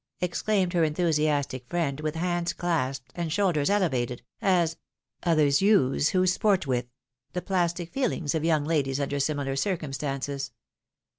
" exclaimed her enthusiastic friend, with hands clasped, and shoulders elevated, as " others use, who sport with " the plastic feehngs of young ladies under similar circumstances.